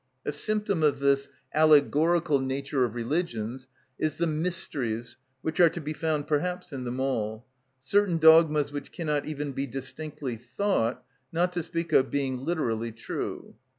A symptom of this allegorical nature of religions is the mysteries which are to be found perhaps in them all, certain dogmas which cannot even be distinctly thought, not to speak of being literally true.